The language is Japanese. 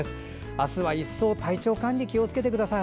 あすは一層体調管理に気をつけてください。